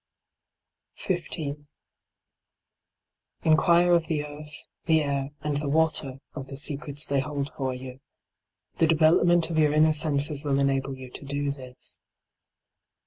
15. Inquire of the earth, the air, and the water, of the secrets they hold for you. The development of your inner senses will enable you to do this.